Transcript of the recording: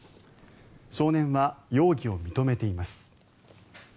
少年は容疑を認めています。